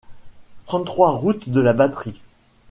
trente-trois route de la Batterie